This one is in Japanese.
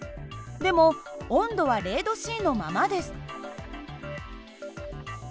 でも温度は０℃のままです。